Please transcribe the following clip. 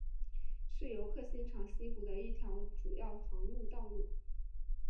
是游客欣赏西湖的一条主要行进道路。